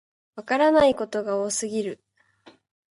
わからないことが多すぎる